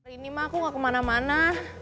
ini mah aku gak kemana mana